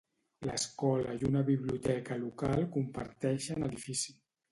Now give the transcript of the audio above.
L'escola i una biblioteca local comparteixen edifici.